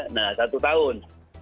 nah satu tahun